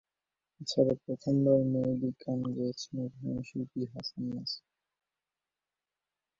এছাড়া প্রথমবার মৌলিক গান গেয়েছেন অভিনয়শিল্পী হাসান মাসুদ।